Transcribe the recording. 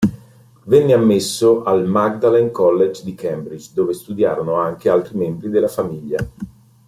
Venne ammesso al Magdalene College di Cambridge dove studiarono anche altri membri della famiglia.